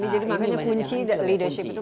jadi makanya kunci leadership itu